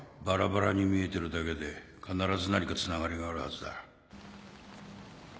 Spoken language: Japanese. バラバラに見えてるだけで必ず何かつながりがあるはずだ